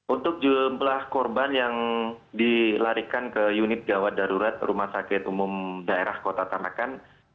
untuk jumlah korban yang dilarikan ke unit gawat darurat rumah sakit umum daerah kota tanakan